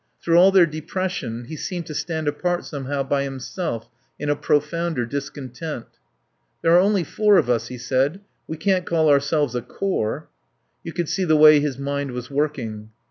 Through all their depression he seemed to stand apart somehow by himself in a profounder discontent. "There are only four of us," he said; "we can't call ourselves a corps." You could see the way his mind was working.